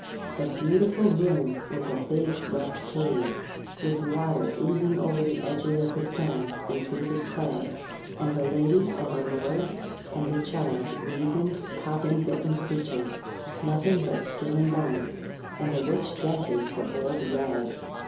The beautiful room was a big, rough cave, with water oozing over the edges of the stones and through the clay; and the lady, and the lord, and the child weazened, poverty bitten creatures nothing but skin and bone and the rich dresses were old rags.